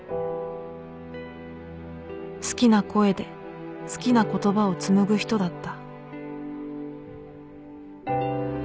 好きな声で好きな言葉をつむぐ人だった